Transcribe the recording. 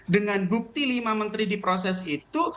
dengan bukti lima menteri diproses itu